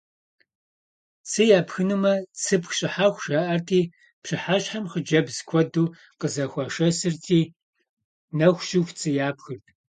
Цы япхынумэ, «цыпх щӀыхьэху» жаӀэрти, пщыхьэщхьэм хъыджэбз куэду къызэхуашэсырти, нэху щыху цы япхырт.